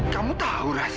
kamu tahu ras